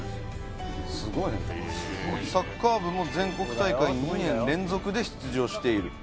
サッカー部も全国大会２年連続で出場している。